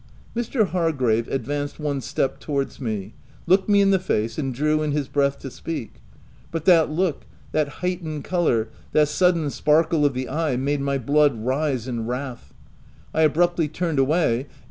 Mr. Hargrave advanced one step towards me, looked me in the face, and drew in his breath to speak ; but that look, that heightened colour, that sudden sparkle of the eye made my blood rise in wrath : I abruptly turned away, and